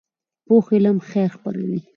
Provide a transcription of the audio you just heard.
پوخ علم خیر خپروي